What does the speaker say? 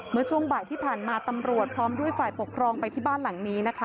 เมื่อช่วงบ่ายที่ผ่านมาตำรวจพร้อมด้วยฝ่ายปกครองไปที่บ้านหลังนี้นะคะ